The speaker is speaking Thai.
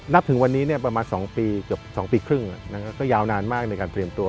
ถึงวันนี้ประมาณ๒ปีเกือบ๒ปีครึ่งก็ยาวนานมากในการเตรียมตัว